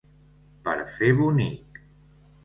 Per fer bonic.